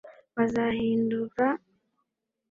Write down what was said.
tuzabihindura